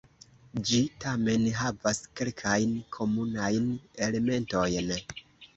Ĝi tamen havas kelkajn komunajn elementojn.